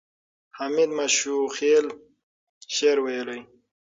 حمید ماشوخېل شعر ویلی.